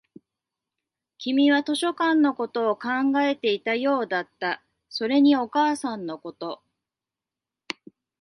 君は図書館のことを考えていたようだった、それにお母さんのこと